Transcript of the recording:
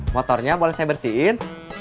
motornya boleh saya bersihin